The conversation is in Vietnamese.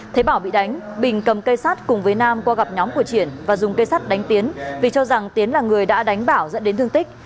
thế bảo bị đánh bình cầm cây sát cùng với nam qua gặp nhóm của triển và dùng cây sắt đánh tiến vì cho rằng tiến là người đã đánh bảo dẫn đến thương tích